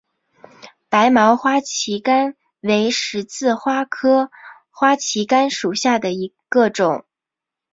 白毛花旗杆为十字花科花旗杆属下的一个种。